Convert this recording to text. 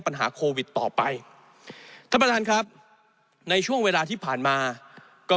ปัญหาโควิดต่อไปท่านประธานครับในช่วงเวลาที่ผ่านมาก็